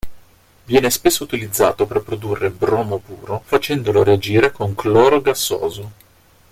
Viene spesso utilizzato per produrre bromo puro facendolo reagire con cloro gassoso.